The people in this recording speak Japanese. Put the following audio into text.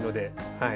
はい。